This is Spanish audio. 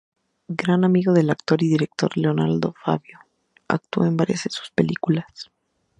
Gran amigo del actor y director Leonardo Favio, actuó en varias de sus películas.